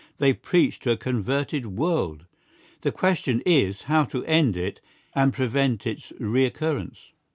They preach to a converted world. The question is how to end it and prevent its recurrence.